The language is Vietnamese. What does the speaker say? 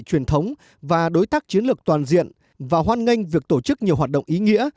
truyền thống và đối tác chiến lược toàn diện và hoan nghênh việc tổ chức nhiều hoạt động ý nghĩa